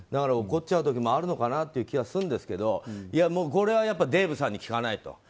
怒っちゃうときもあるのかなという気はするんですけどこれはデーブさんに聞かないと。